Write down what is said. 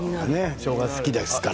しょうが好きですから。